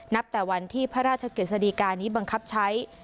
นับแต่วันที่พระราชเกร็จสดีการนี้บังคับใช้